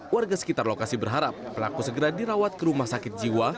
warga sekitar lokasi berharap pelaku segera dirawat ke rumah sakit jiwa